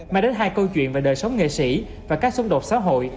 mang đến hai câu chuyện về đời sống nghệ sĩ và các xung đột xã hội